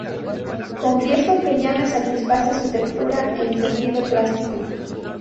Confieso que ya me satisface su textura en sentido plástico.